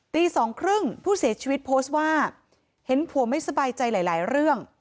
ตีสองครึ่งผู้เสียชีวิตโพสต์ว่าเห็นผัวไม่สบายใจหลายเรื่อง